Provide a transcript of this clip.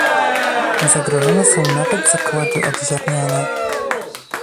Zagrożone są nawet zakłady odziarniania